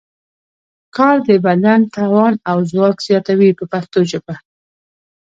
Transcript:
کار د بدن توان او ځواک زیاتوي په پښتو ژبه.